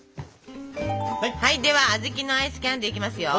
ではあずきのアイスキャンデーいきますよ！